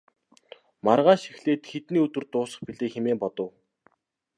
Маргааш эхлээд хэдний өдөр дуусах билээ хэмээн бодов.